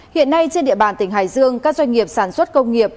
hiện nay trên địa bàn tỉnh hải dương các doanh nghiệp sản xuất công nghiệp